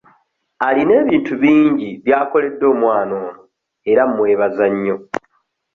Alina ebintu bingi by'akoledde omwana ono era mmwebaza nnyo.